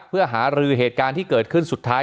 เพื่อหารือเหตุการณ์ที่เกิดขึ้นสุดท้าย